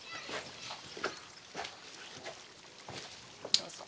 どうぞ。